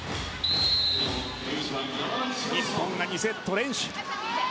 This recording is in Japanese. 日本が２セット連取。